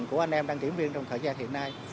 của anh em đăng kiểm viên trong thời gian hiện nay